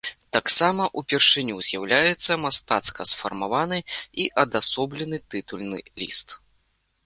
Таксама упершыню з'яўляецца мастацка сфармаваны і адасоблены тытульны ліст.